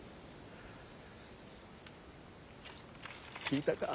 聞いたか。